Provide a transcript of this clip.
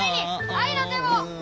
愛の手を！